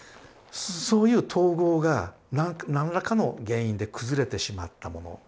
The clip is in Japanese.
そういう統合が何らかの原因で崩れてしまったもの。